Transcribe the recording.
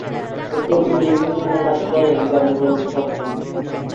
এরপর তিনি বিভিন্ন সিনেমায় কাজ করেন, যা মোটামুটি সফল।